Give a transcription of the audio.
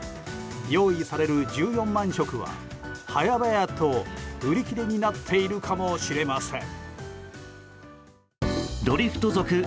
用意される１４万食は早々と売り切れになっているかもしれません。